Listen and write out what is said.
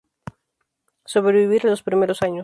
Sobrevivir a los primeros años".